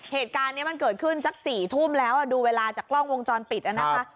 เหตุการณ์นี้มันเกิดขึ้นสัก๔ทุ่มแล้วดูเวลาจากกล้องวงจรปิดนะคะ